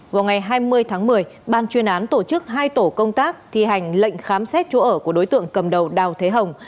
vào ngày hai mươi tháng một mươi ban chuyên án tổ chức hai tổ công tác thi hành lệnh khám xét chỗ ở của đối tượng cầm đầu đào thế hồng